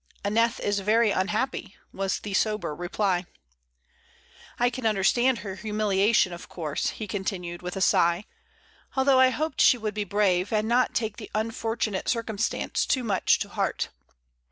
"Aneth is very unhappy," was the sober reply. "I can understand her humiliation, of course," he continued, with a sigh; "although I hoped she would be brave, and not take the unfortunate circumstance too much to heart."